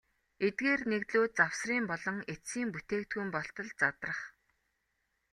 Эдгээр нэгдлүүд завсрын болон эцсийн бүтээгдэхүүн болтол задрах.